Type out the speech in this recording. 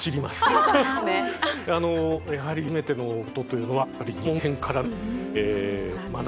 やはり初めてのことというのは入門編から